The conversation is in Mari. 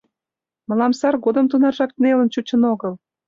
— Мылам сар годым тунаржак нелын чучын огыл.